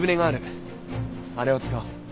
あれを使おう。